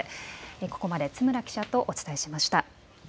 ここまで津村記者とお伝えしました。